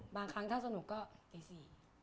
บางครั้งถ้าสนุกก็ตี๔